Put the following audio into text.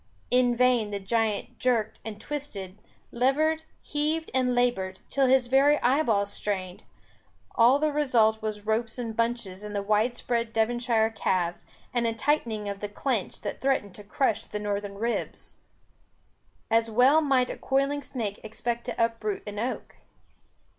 In vain the giant jerked and twisted, levered, heaved, and laboured, till his very eyeballs strained; all the result was ropes and bunches in the wide spread Devonshire calves, and a tightening of the clench that threatened to crush the Northern ribs. As well might a coiling snake expect to uproot an oak.